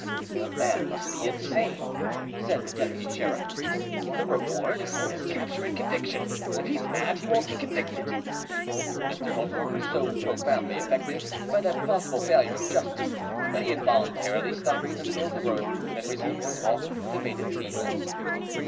â âThe man must be insane,â said the deputy sheriff. âThe reward is for his capture and conviction. If heâs mad he wonât be convicted.â Mr. Holker was so profoundly affected by that possible failure of justice that he involuntarily stopped in the middle of the road, then resumed his walk with abated zeal.